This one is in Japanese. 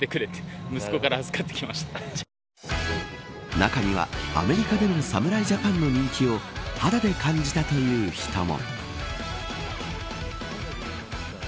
中には、アメリカでの侍ジャパンの人気を肌で感じたという人も。